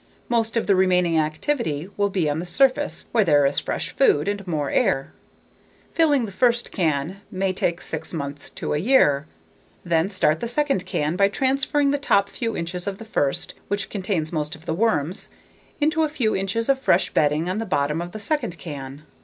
Most of the remaining activity will be on the surface where there is fresh food and more air. Filling the first can may take six months to a year. Then, start the second can by transferring the top few inches of the first, which contains most of the worms, into a few inches of fresh bedding on the bottom of the second can.